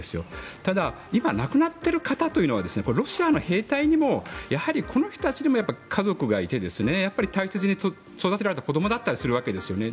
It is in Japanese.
ただ今亡くなっている方というのはロシアの兵隊にもやはりこの人たちにもやっぱり家族がいて大切に育てられた子どもだったりするわけですよね